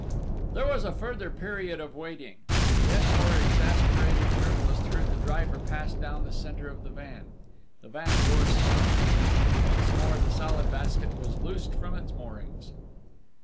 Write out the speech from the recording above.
There was a further period of waiting. Then our exasperated journalist heard the driver pass down the centre of the van. The van door slammed.... Once more the Salad Basket was loosed from its moorings.